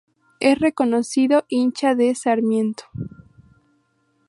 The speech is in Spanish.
Es reconocido hincha de Sarmiento.